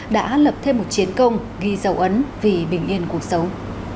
đã lập thêm một chiến công ghi dấu ấn vì bình yên cuộc sống